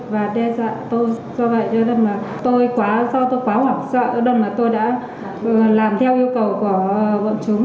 và đe dọa tôi do vậy do tôi quá hoảng sợ do tôi đã làm theo yêu cầu của bọn chúng